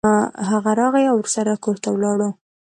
هغه راغی او ورسره کور ته ولاړو.